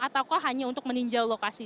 ataukah hanya untuk meninjau lokasi